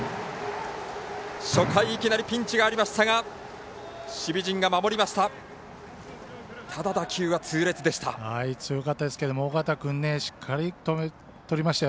初回いきなりピンチがありましたが守備陣が守りました。